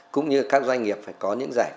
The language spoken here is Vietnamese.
cũng như các doanh nghiệp phải có những giải